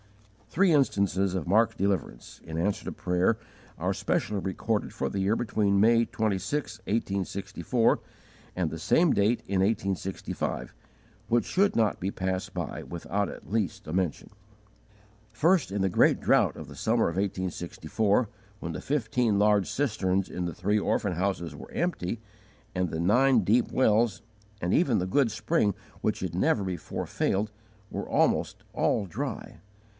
Three instances of marked deliverance, in answer to prayer, are specially recorded for the year between May 26, 1864, and the same date in 1865, which should not be passed by without at least a mention. First, in the great drought of the summer of 1864, when the fifteen large cisterns in the three orphan houses were empty, and the nine deep wells, and even the good spring which had never before failed, were almost all dry.